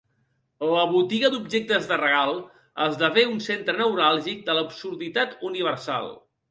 La botiga d'objectes de regal esdevé un centre neuràlgic de l'absurditat universal.